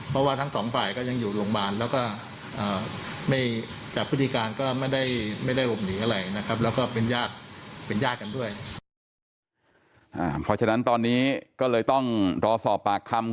เพราะฉะนั้นตอนนี้ก็เลยต้องรอสอบแบบคำ